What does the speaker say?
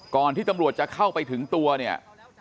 ที่ตำรวจจะเข้าไปถึงตัวเนี่ย